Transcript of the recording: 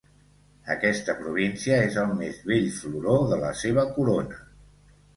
Aquesta província és el més bell floró de la seva corona.